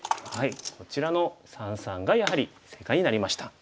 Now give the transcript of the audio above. こちらの三々がやはり正解になりました。